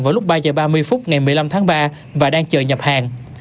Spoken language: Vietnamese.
vào lúc ba h ba mươi phút ngày một mươi năm tháng ba và đang chờ nhập hàng